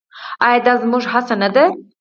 آیا دا زموږ هڅه نه ده؟